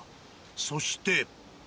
そして。